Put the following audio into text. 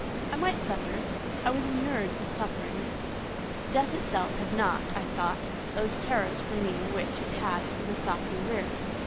I might suffer; I was inured to suffering: death itself had not, I thought, those terrors for me which it has for the softly reared.